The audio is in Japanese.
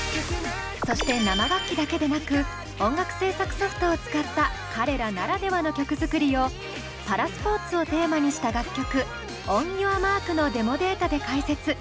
そして生楽器だけでなく音楽制作ソフトを使った彼らならではの曲作りをパラスポーツをテーマにした楽曲「ＯｎＹｏｕｒＭａｒｋ」のデモデータで解説。